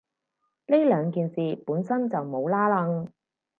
呢兩件事本身就冇拏褦